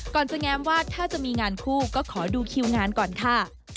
ก่อนจะแง้มว่าถ้าจะมีงานคู่ก็ขอดูคิวงานก่อนค่ะ